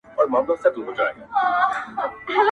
پرې کوي غاړي د خپلو اولادونو٫